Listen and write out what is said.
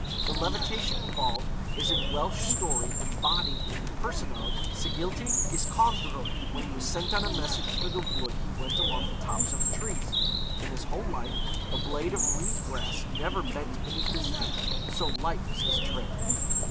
The levitation involved is in Welsh story embodied in the person of Sgilti Yscawndroed; when he was sent on a message through the wood he went along the tops of the trees; in his whole life, a blade of reed grass never bent beneath his feet, so light was his tread.